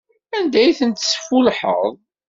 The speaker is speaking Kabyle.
Anda ay ten-tesfullḥeḍ?